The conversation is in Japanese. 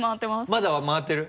まだ回ってる？